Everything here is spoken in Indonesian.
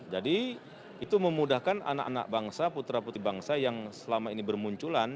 jadi itu memudahkan anak anak bangsa putera putih bangsa yang selama ini bermunculan